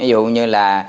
ví dụ như là